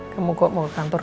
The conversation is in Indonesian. kamu kok mau ke kantor